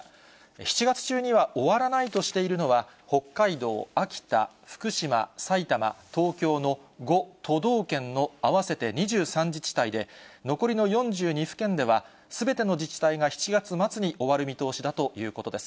７月中には終わらないとしているのは、北海道、秋田、福島、埼玉、東京の５都道県の合わせて２３自治体で、残りの４２府県では、すべての自治体が７月末に終わる見通しだということです。